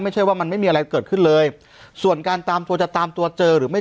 ไม่ใช่ว่ามันไม่มีอะไรเกิดขึ้นเลยส่วนการตามตัวจะตามตัวเจอหรือไม่